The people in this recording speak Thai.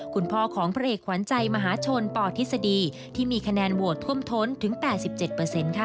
คุณพ่อของพระเอกขวัญใจมหาชนปทฤษฎีที่มีคะแนนโหวตท่วมท้นถึง๘๗ค่ะ